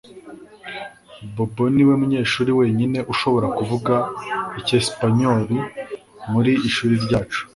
bob niwe munyeshuri wenyine ushobora kuvuga icyesipanyoli mu ishuri ryacu